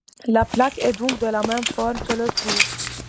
La plaque est donc de la même forme que le trou.